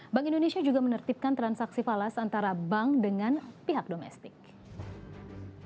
bank indonesia juga menertibkan transaksi falas antara bank dengan pihak domestik